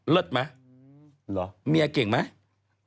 เลิศไหมเมย์เก่งไหม